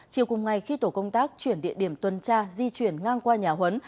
chiều cùng ngày khi tổ công tác chuyển địa điểm tuần tra di chuyển ngang qua nhà huấn